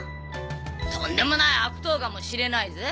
とんでもない悪党かもしれないぜ？